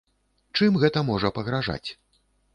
Чым гэта можа пагражаць?